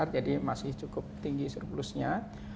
jadi masih cukup tinggi surplusnya